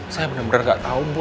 saya benar benar tidak tahu bu